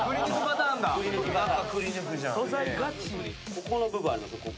ここの部分ありますね。